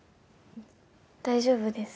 大丈夫です。